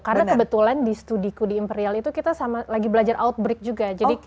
karena kebetulan di studiku di imperial itu kita lagi belajar outbreak juga